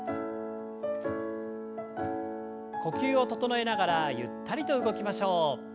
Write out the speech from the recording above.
呼吸を整えながらゆったりと動きましょう。